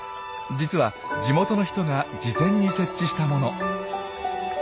実は地元の人が事前に設置したもの。